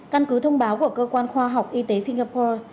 căn cứ thông báo của cơ quan khoa học y tế singapore